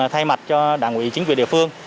thay mặt cho đảng quỹ chính quyền địa phương